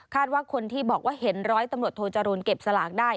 ว่าคนที่บอกว่าเห็นร้อยตำรวจโทจรูลเก็บสลากได้